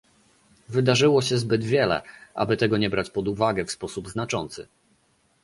Wydarzyło się zbyt wiele, aby tego nie brać pod uwagę w sposób znaczący